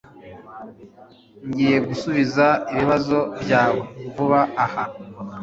Ngiye Gusubiza ibibazo byawe vuba aha